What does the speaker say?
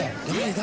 誰？